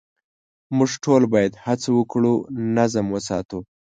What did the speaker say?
موږ ټول باید هڅه وکړو نظم وساتو.